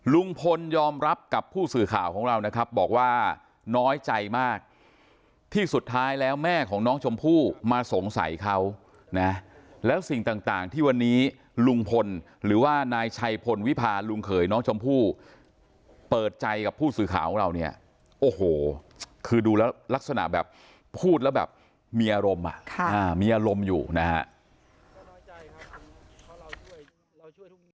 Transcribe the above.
ลุงพลยอมรับกับผู้สื่อข่าวของเรานะครับบอกว่าน้อยใจมากที่สุดท้ายแล้วแม่ของน้องชมพู่มาสงสัยเขานะแล้วสิ่งต่างที่วันนี้ลุงพลหรือว่านายชัยพลวิพาลุงเขยน้องชมพู่เปิดใจกับผู้สื่อข่าวของเราเนี่ยโอ้โหคือดูแล้วลักษณะแบบพูดแล้วแบบมีอารมณ์มีอารมณ์อยู่นะฮะ